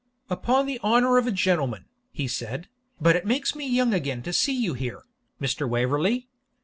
'Upon the honour of a gentleman,' he said, 'but it makes me young again to see you here, Mr. Waverley!